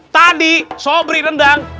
tadi sobri nendang